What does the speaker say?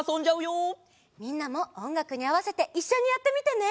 みんなもおんがくにあわせていっしょにやってみてね！